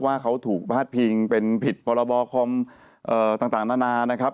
ว่าเขาถูกพาดพิงเป็นผิดพรบคอมต่างนานานะครับ